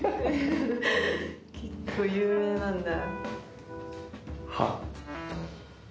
結構有名なんだ。